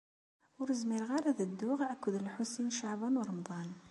Ur zmireɣ ara ad dduɣ akked Lḥusin n Caɛban u Ṛemḍan.